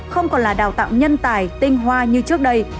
không còn là đào tạo nhân tài tinh hoa như trước đây